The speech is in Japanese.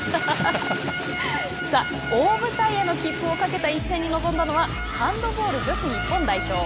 さあ大舞台への切符をかけた一戦に臨んだのはハンドボール女子日本代表。